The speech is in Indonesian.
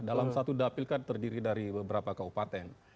dalam satu dapil kan terdiri dari beberapa kabupaten